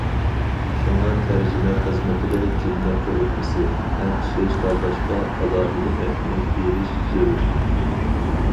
شۇڭا، تەرجىمە خىزمىتىدە جۈملە قۇرۇلمىسى ھەم سۆز تاللاشقا ئالاھىدە ئەھمىيەت بېرىش زۆرۈر.